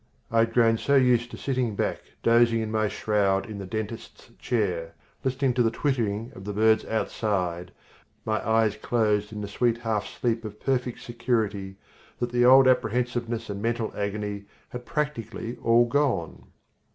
I had grown so used to sitting back dozing in my shroud in the dentist's chair, listening to the twittering of the birds outside, my eyes closed in the sweet half sleep of perfect security, that the old apprehensiveness and mental agony had practically all gone.